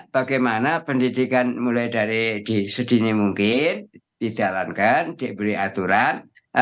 bagaimana pendidikan mulai dari sedini mungkin dijalankan diberi aturan